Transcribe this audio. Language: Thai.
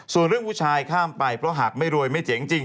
ส่วนเรื่องผู้ชายข้ามไปเพราะหากไม่รวยไม่เจ๋งจริง